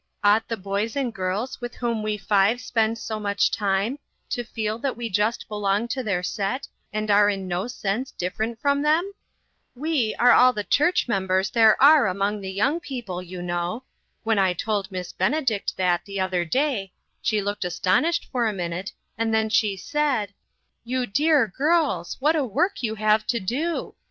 Ought the boys and girls with whom, we five spend so much time, to feel that we just belong to their set, and are in no sense different from them ? We are all the church members there are among the young people, you know. When I told Mi"ss Benedict that the other day, she looked astonished for a minute, and then she said :' You dear girls, OUTSIDE THE CIRCLE. 137 what a work you have to do